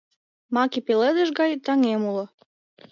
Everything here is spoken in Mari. Маке пеледыш гай таҥем уло.